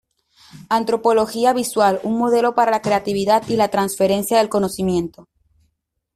Antropología visual: un modelo para la creatividad y la transferencia del conocimiento.